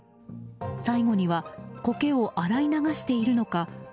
最後にはコケを洗い流しているのか